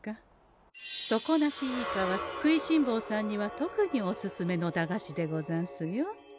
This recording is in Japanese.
「底なしイカ」は食いしんぼうさんには特におすすめの駄菓子でござんすよ。